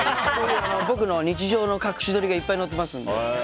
僕の日常の隠し撮りがいっぱい載ってますので。